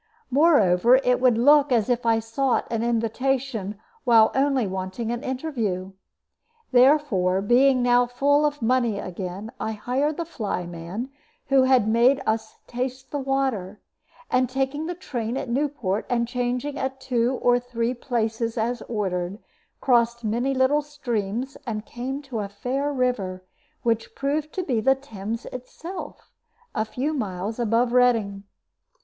Moreover, it would look as if I sought an invitation, while only wanting an interview. Therefore, being now full of money again, I hired the flyman who had made us taste the water, and taking train at Newport, and changing at two or three places as ordered, crossed many little streams, and came to a fair river, which proved to be the Thames itself, a few miles above Reading.